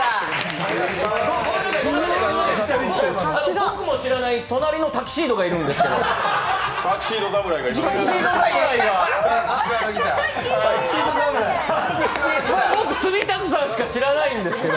僕も知らない、隣のタキシードがいるんですけど。